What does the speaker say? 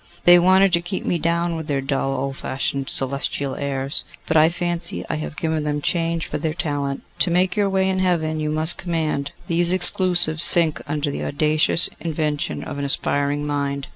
They wanted to keep me down with their dull old fashioned celestial airs, but I fancy I have given them change for their talent. To make your way in Heaven you must command. These exclusives sink under the audacious invention of an aspiring mind.